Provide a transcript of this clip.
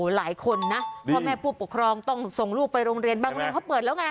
หลายคนนะพอแม่ผู้ปกครองต้องส่งลูกไปโรงเรียน